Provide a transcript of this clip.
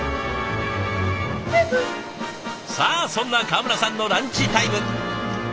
さあそんな川村さんのランチタイム。